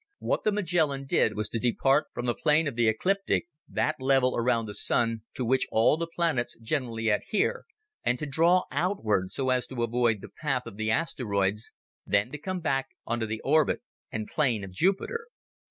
What the Magellan did was to depart from the plane of the ecliptic, that level around the Sun to which all the planets generally adhere, and to draw outward so as to avoid the path of the asteroids, then to come back in onto the orbit and plane of Jupiter.